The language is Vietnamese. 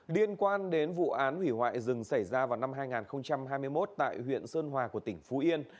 liên quan đến vụ án hủy hoại rừng xảy ra vào năm hai nghìn hai mươi một tại huyện sơn hòa của tỉnh phú yên